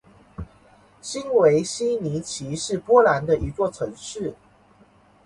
新维希尼奇是波兰的一座城市。